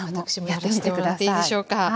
やらしてもらっていいでしょうか。